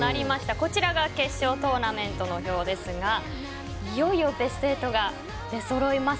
こちらが決勝トーナメントの表ですがいよいよベスト８が出揃います。